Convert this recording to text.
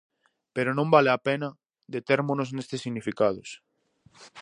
Pero non vale a pena detérmonos nestes significados.